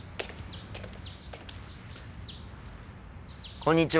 こんにちは。